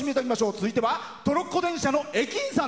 続いてはトロッコ電車の駅員さん。